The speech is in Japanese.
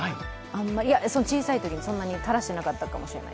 小さいときに、そんなに垂らしていなかったかもしれない。